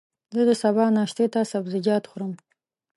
زه د سبا ناشتې ته سبزيجات خورم.